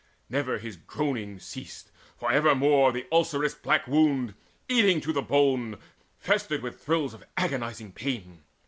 Never his groaning ceased, for evermore The ulcerous black wound, eating to the bone, Festered with thrills of agonizing pain.